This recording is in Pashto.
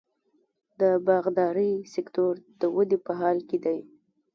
د باغدارۍ سکتور د ودې په حال کې دی.